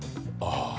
ああ。